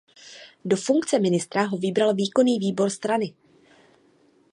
Do funkce ministra ho vybral výkonný výbor strany.